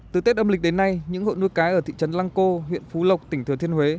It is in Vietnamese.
từ tết âm lịch đến nay những hộ nuôi cá ở thị trấn lăng cô huyện phú lộc tỉnh thừa thiên huế